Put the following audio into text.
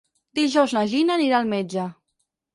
Dijous na Gina anirà al metge.